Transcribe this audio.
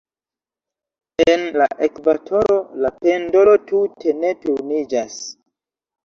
En la ekvatoro, la pendolo tute ne turniĝas.